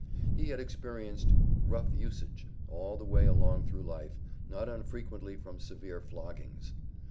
He had experienced "rough usage" all the way along through life, not unfrequently from severe floggings.